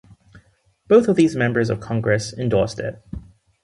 Both of these members of Congress endorsed it.